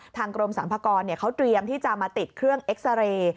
ทางกรมสรรพากรเขาเตรียมที่จะมาติดเครื่องเอ็กซาเรย์